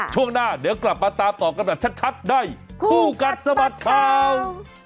ช่วงหน้าเดี๋ยวกลับมาตามตอบกันต่อชัดได้คู่กัดสมัติค่าว